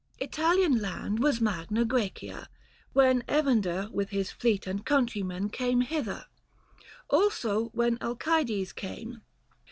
■ 70 Italian land was Magna G recia, when Evander with his fleet and countrymen Came hither ; also when Alcides came.